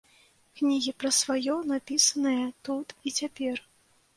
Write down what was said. Кнігі пра сваё, напісанае тут і цяпер.